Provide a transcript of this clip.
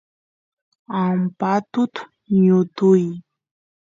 ampatut ñutuy